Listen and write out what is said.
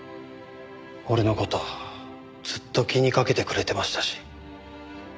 俺の事をずっと気にかけてくれてましたし。